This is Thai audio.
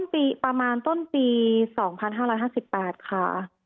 ประมาณต้นปี๒๕๕๘ค่ะ